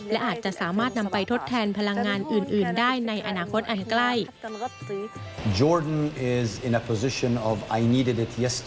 และอาจจะสามารถนำไปทดแทนพลังงานอื่นได้ในอนาคตอันใกล้